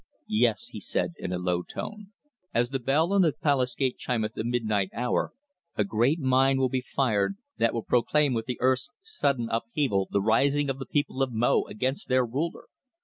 "Yes," he said, in a low tone. "As the bell on the palace gate chimeth the midnight hour a great mine will be fired that will proclaim with the earth's sudden upheaval the rising of the people of Mo against their ruler.